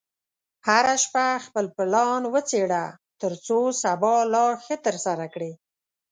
هره شپه خپل پلان وڅېړه، ترڅو سبا لا ښه ترسره کړې.